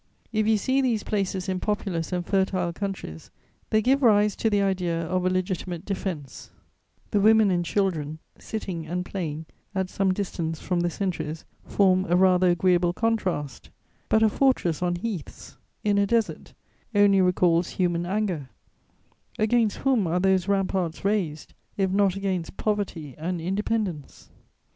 If you see these places in populous and fertile countries, they give rise to the idea of a legitimate defense; the women and children, sitting and playing at some distance from the sentries, form a rather agreeable contrast; but a fortress on heaths, in a desert, only recalls human anger: against whom are those ramparts raised, if not against poverty and independence?